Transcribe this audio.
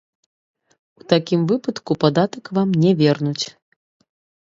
У такім выпадку падатак вам не вернуць.